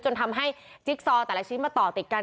จนทำให้จิ๊กซอแต่ละชิ้นมาต่อติดกัน